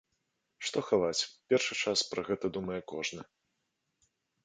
Што хаваць, першы час пра гэта думае кожны.